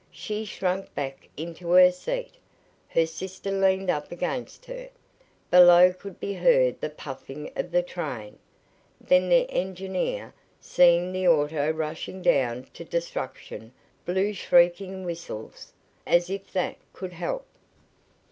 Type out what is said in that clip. She shrank back into her seat. Her sister leaned up against her. Below could be heard the puffing of the train. Then the engineer, seeing the auto rushing down to destruction, blew shrieking whistles, as if that could help.